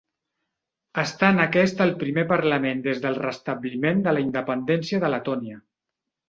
Estant aquest el primer parlament des del restabliment de la independència de Letònia.